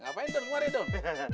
ngapain dong kemarin dong